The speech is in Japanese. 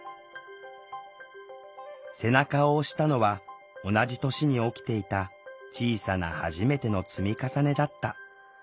背中を押したのは同じ年に起きていた小さな「はじめて」の積み重ねだった。